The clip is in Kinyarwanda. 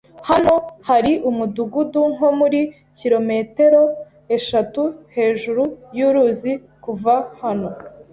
Hano hari umudugudu nko muri kilometero eshatu hejuru yuruzi kuva hano.